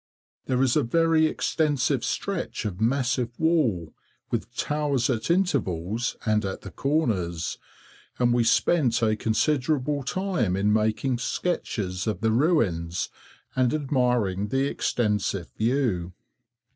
There is a very extensive stretch of massive wall, with towers at intervals, and at the corners; and we spent a considerable time in making sketches of the ruins, and admiring the extensive view.